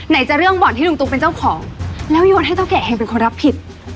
ไหนจะเรื่องบ่อนที่ลูกตุ๊กเป็นเจ้าของแล้วยนให้ต้องแกให้เป็นคนรับผิด